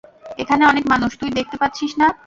এখানে অনেক মানুষ, তুই দেখতে পাচ্ছিস না?